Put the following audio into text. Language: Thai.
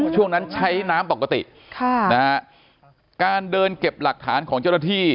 ช่วงนั้นใช้น้ำปกติค่ะนะฮะการเดินเก็บหลักฐานของเจ้าหน้าที่